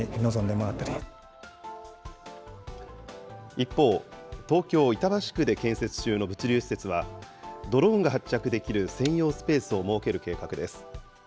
一方、東京・板橋区で建設中の物流施設は、ドローンが発着できる専用スペースを設ける計画です。